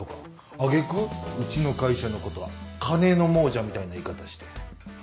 挙げ句うちの会社のことは金の亡者みたいな言い方して。